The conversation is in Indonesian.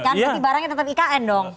tapi barangnya tetap ikn dong